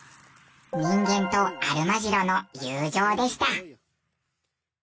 人間とアルマジロの友情でした。